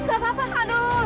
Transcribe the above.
gak apa apa aduh